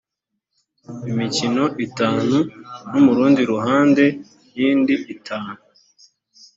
imikono itanu no mu rundi ruhande yindi itanu